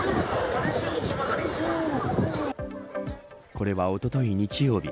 これは、おととい日曜日